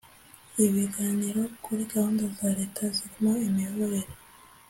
ibiganiro kuri gahunda za Leta zirimo imiyoborere